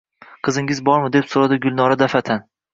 — Qizingiz bormi? — deb soʼradi Gulnora dafʼatan.